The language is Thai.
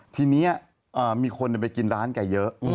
ทีนี้มีคนไปกินร้านแกเยอะ